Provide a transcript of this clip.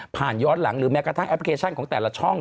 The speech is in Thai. ย้อนหลังหรือแม้กระทั่งแอปพลิเคชันของแต่ละช่อง